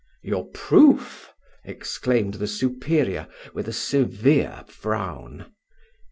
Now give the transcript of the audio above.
"Your proof," exclaimed the superior, with a severe frown.